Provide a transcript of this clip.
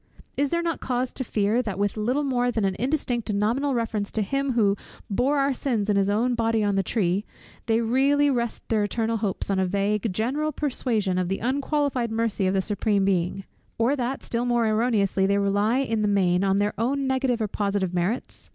Is there not cause to fear, that with little more than an indistinct and nominal reference to Him who "bore our sins in his own body on the tree," they really rest their eternal hopes on a vague, general persuasion of the unqualified mercy of the Supreme Being; or that, still more erroneously, they rely in the main, on their own negative or positive merits?